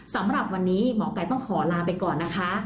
สำหรับวันนี้หมอไก่ต้องขอลาไปก่อนนะคะ